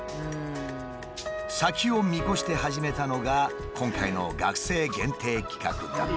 先を見越して始めたのが今回の学生限定企画だった。